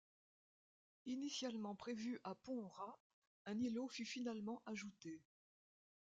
Initialement prévu à pont ras, un îlot fut finalement ajouté.